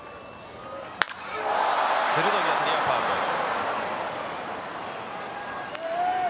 鋭い当たりはファウルです。